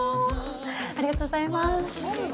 ありがとうございます。